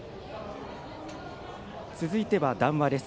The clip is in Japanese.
続いては談話です。